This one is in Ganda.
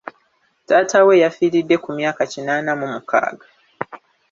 Taata we yafiiridde ku myaka kinaana mu mukaaga.